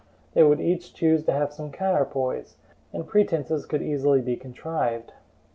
They would each choose to have some counterpoise, and pretenses could easily be contrived.